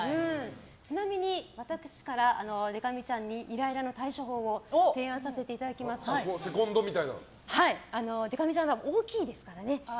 ちなみに私からでか美ちゃんにイライラの対処法を提案させていただきますとでか美ちゃんは大きいですからね。